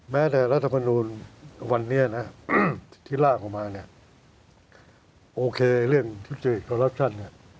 แม้แต่รัฐธรรมนูญวันนี้ที่ล่าขึ้นมาโอเคเรื่องทิศจิตโคลอัพชัน